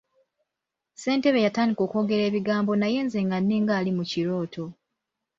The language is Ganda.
Ssentebe yatandika okwogera ebigambo naye nze nga nninga ali mu kirooto.